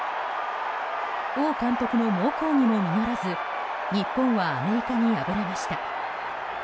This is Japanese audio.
王監督の猛抗議も実らず日本はアメリカに敗れました。